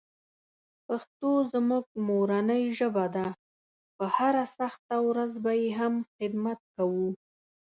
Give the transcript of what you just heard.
پښتو زموږ مورنۍ ژبه ده، په هره سخته ورځ به یې هم خدمت کوو.